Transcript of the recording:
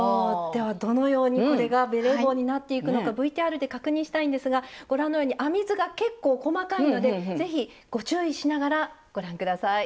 ではどのようにこれがベレー帽になっていくのかＶＴＲで確認したいんですがご覧のように編み図が結構細かいので是非ご注意しながらご覧下さい。